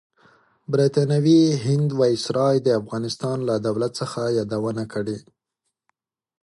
برطانوي هند وایسرای د افغانستان لۀ دولت څخه یادونه کړې.